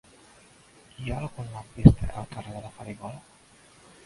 Hi ha algun lampista al carrer de la Farigola?